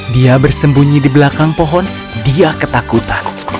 dia bersembunyi di belakang pohon dia ketakutan